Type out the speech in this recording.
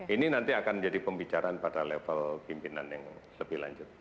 ini nanti akan menjadi pembicaraan pada level pimpinan yang lebih lanjut